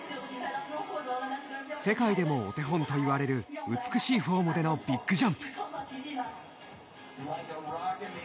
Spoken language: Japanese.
世界でもお手本といわれる美しいフォームでのビッグジャンプ。